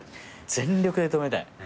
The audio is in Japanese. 全力で止めたい。